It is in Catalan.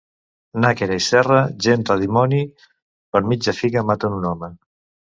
Nàquera i Serra, gent de dimoni: per mitja figa maten un home.